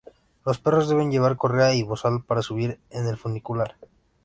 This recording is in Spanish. Los perros deben llevar correa y bozal para subir en el funicular.